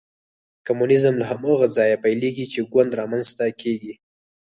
کمونیزم له هماغه ځایه پیلېږي چې ګوند رامنځته کېږي.